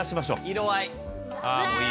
色合い。